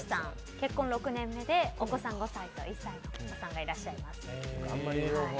結婚６年目で５歳と１歳のお子さんがいらっしゃいます。